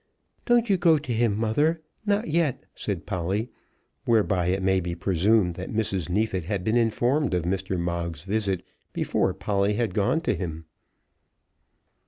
"Don't you go to him, mother; not yet," said Polly. Whereby it may be presumed that Mrs. Neefit had been informed of Mr. Moggs's visit before Polly had gone to him.